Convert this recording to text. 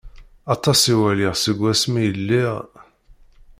Aṭas i walaɣ seg wasmi i lliɣ...